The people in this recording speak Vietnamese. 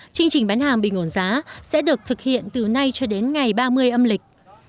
chương trình bán hàng bình ổn giá sẽ được thực hiện từ nay cho đến ngày ba mươi âm lịch